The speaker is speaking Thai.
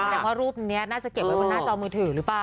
แต่ว่ารูปนี้น่าจะเก็บไว้บนหน้าจอมือถือหรือเปล่า